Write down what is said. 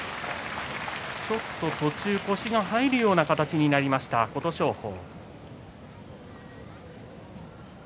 ちょっと途中、腰が入るような形になりました琴勝峰。